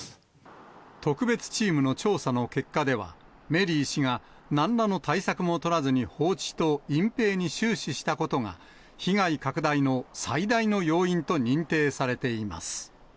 特別チームの調査の結果では、メリー氏がなんらの対策も取らずに放置と隠蔽に終始したことが、被害拡大の最大の要因と認定されています。